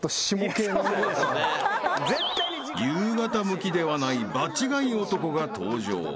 ［夕方向きではない場違い男が登場］